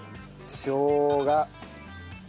しょうが。